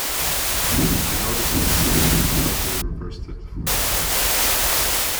I noticed that its occupants carefully reversed it before leaving it.